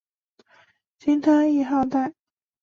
金汤谥号戴。